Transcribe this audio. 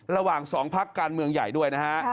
ระหว่าง๒พักการเมืองใหญ่ด้วยนะฮะ